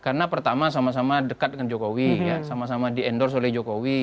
karena pertama sama sama dekat dengan jokowi sama sama di endorse oleh jokowi